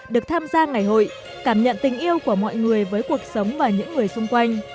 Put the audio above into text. được tham gia ngày hội cảm nhận tình yêu của mọi người với cuộc sống và những người xung quanh